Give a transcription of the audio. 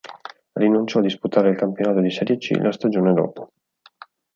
Rinunciò a disputare il campionato di Serie C la stagione dopo.